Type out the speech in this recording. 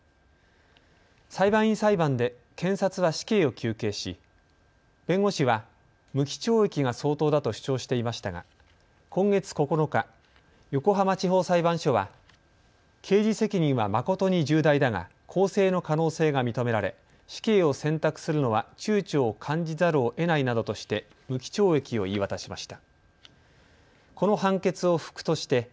裁判員裁判で検察は死刑を求刑し弁護士は無期懲役が相当だと主張していましたが今月９日、横浜地方裁判所は刑事責任は誠に重大だが更生の可能性が認められ、死刑を選択するのはちゅうちょを感じざるをえないなどとして無期懲役を言い渡しました。